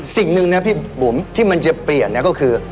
สิ่งหนึ่งนะพี่บุ๋มที่มันจะเปลี่ยนนะก็คือ